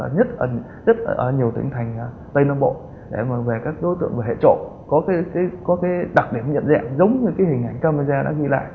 nhất ở nhiều tỉnh thành tây nam bộ để mở về các đối tượng và hệ trộn có đặc điểm nhận dạng giống như hình ảnh camera đã ghi lại